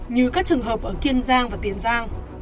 như các trường hợp ở kiên giang và tiền giang